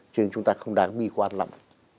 cho nên chúng ta không đáng bi quan lắm